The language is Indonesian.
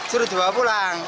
suruh dibawa pulang